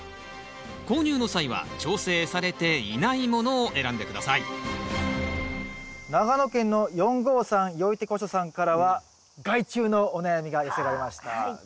購入の際は調整されていないものを選んで下さい長野県の４５３よいてこしょさんからは害虫のお悩みが寄せられました。